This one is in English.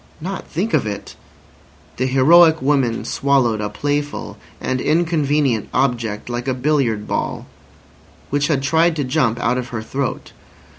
Not think of it! The heroic woman swallowed a playful and inconvenient object like a billiard ball, which had tried to jump out of her throat.